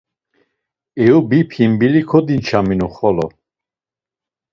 Eyubi pimbili kodinçaminu xolo.